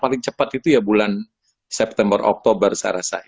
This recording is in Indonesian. paling cepat itu ya bulan september oktober saya rasa